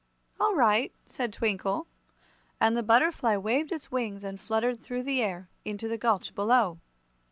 "All right," said Twinkle, and the butterfly waved its wings and fluttered through the air into the gulch below.